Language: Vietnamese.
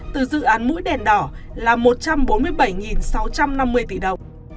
từ dự án mũi đèn đỏ là một trăm bốn mươi bảy sáu trăm năm mươi tỷ đồng